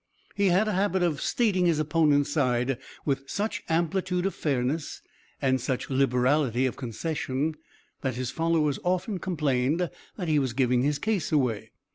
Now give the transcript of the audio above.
He had a habit of stating his opponent's side with such amplitude of fairness and such liberality of concession that his followers often complained that he was giving his case away.